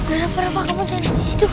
kenapa kenapa kamu jadi disitu